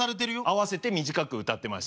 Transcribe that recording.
合わせて短く歌ってましたね。